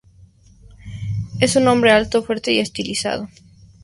Es un hombre alto, fuerte y estilizado.